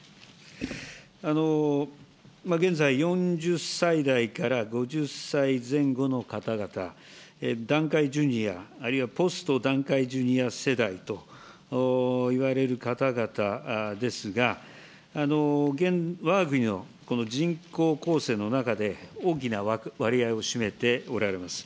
現在４０歳代から５０歳前後の方々、団塊ジュニア、あるいはポスト団塊ジュニア世代といわれる方々ですが、わが国のこの人口構成の中で、大きな割合を占めておられます。